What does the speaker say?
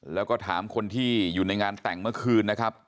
แล้วก็ถามคนที่อยู่ในงานแต่งเมื่อคืนนะครับ